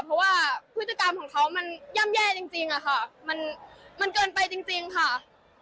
เพราะว่าพฤติกรรมของเขามันย่ำแย่จริงอะค่ะมันเกินไปจริงค่ะ